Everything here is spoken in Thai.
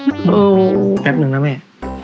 โอ้แป๊บหนึ่งนะแม่